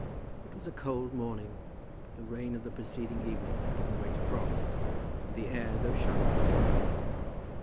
It was a cold morning, but the rain of the preceding evening had given way to frost, and the air, though sharp, was dry.